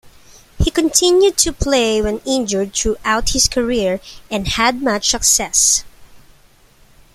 He continued to play when injured throughout his career and had much success.